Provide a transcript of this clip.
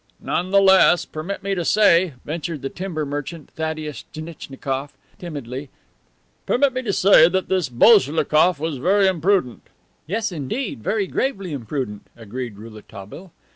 "None the less, permit me to say," ventured the timber merchant, Thaddeus Tchnitchnikof, timidly, "permit me to say that this Boichlikoff was very imprudent." "Yes, indeed, very gravely imprudent," agreed Rouletabille.